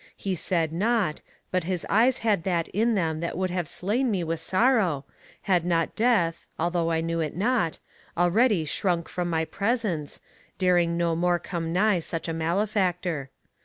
He said nought, but his eyes had that in them that would have slain me with sorrow, had not death, although I knew it not, already shrunk from my presence, daring no more come nigh such a malefactor.